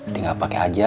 tinggal pake aja